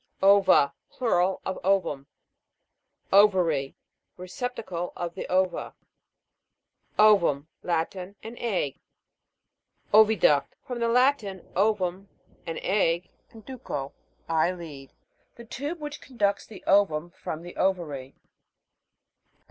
O'VA. Plural of ovum. O'VARY. Receptacle of the ova. O'VUM. Latin. An egg. OVIDUCT. From the Latin, ovum, an egg, and duco, I lead. The tube which conducts the ovum from the ovary.